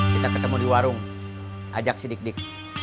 kita ketemu di warung ajak si dik dik